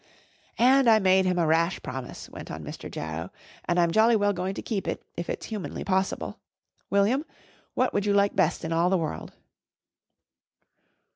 "And I made him a rash promise," went on Mr. Jarrow, "and I'm jolly well going to keep it if it's humanly possible. William, what would you like best in all the world?"